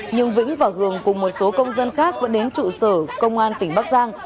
nhưng vĩnh và hường cùng một số công dân khác vẫn đến trụ sở công an tỉnh bắc giang